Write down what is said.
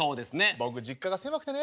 僕実家が狭くてね。